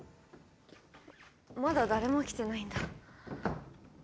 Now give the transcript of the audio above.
まだ誰も来てないんだ。